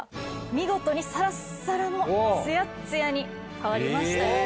見事にサラッサラのツヤッツヤに変わりましたよね。